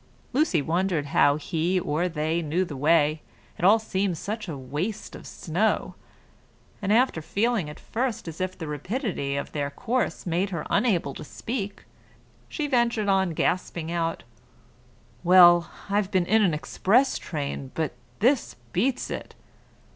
Lucy wondered how he or they knew the way, it all seemed such a waste of snow; and after feeling at first as if the rapidity of their course made her unable to speak, she ventured on gasping out, "Well, I've been in an express train, but this beats it!